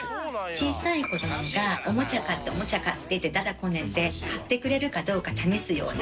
小さい子どもがおもちゃ買っておもちゃ買ってって駄々こねて買ってくれるかどうか試すような。